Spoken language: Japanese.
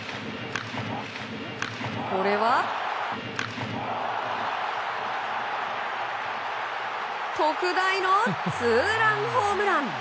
これは特大のツーランホームラン！